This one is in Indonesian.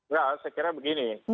ya saya kira begini